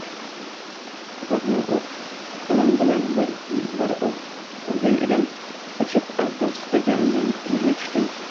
Tovoqni qo‘lim bilan bir urgan edim, uchib avval supaga, undan yerga tushdi.